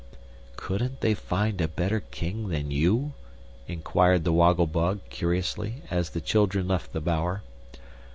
"Couldn't they find a better king than you?" enquired the Woggle Bug, curiously, as the children left the bower.